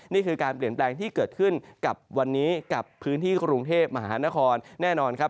นี่คือการเปลี่ยนแปลงที่เกิดขึ้นกับวันนี้กับพื้นที่กรุงเทพมหานครแน่นอนครับ